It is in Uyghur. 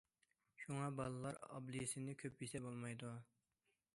شۇڭا بالىلار ئاپېلسىننى كۆپ يېسە بولمايدۇ.